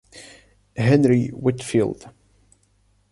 Henry Whitfield.